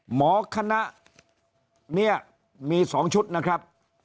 หมอคณะเนี่ยมี๒ชุดนะครับ